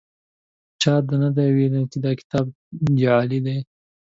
چا دا نه دي ویلي چې دا کتاب جعلي دی.